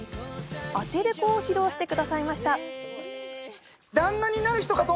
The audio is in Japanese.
アテレコを披露してくださいました。